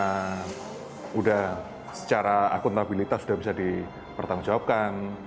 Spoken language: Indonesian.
sudah secara akuntabilitas sudah bisa dipertanggungjawabkan